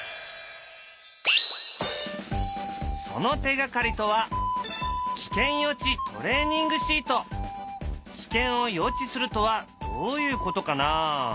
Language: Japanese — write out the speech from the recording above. その手がかりとは危険を予知するとはどういうことかな？